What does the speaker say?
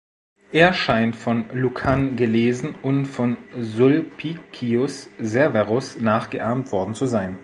Er scheint von Lucan gelesen und von Sulpicius Severus nachgeahmt worden zu sein.